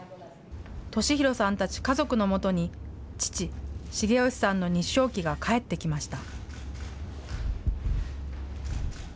敏弘さんたち家族のもとに父、繁義さんの日章旗が返ってきました。